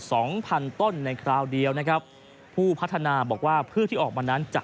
สองพันต้นในคราวเดียวนะครับผู้พัฒนาบอกว่าพืชที่ออกมานั้นจะ